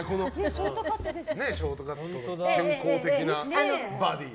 ショートカットで健康的なバディー。